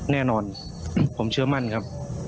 แน่นอนผมเชื่อมั่นครับ